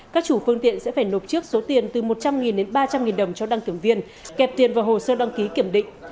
các chủ phương tiện sẽ phải nộp trước số tiền từ một trăm linh đến ba trăm linh đồng cho đăng kiểm viên kẹp tiền vào hồ sơ đăng ký kiểm định